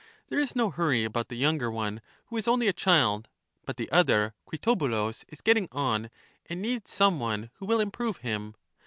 There is no hurry about the younger one, who is only a child; but the other, Cri tobulus, is getting on, and needs some one who will improve him.